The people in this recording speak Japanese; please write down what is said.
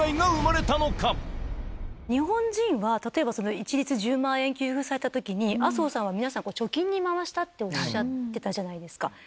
日本人は、例えば一律１０万円給付されたときに、麻生さんが、皆さん、貯金に回したっておっしゃってたじゃないですか。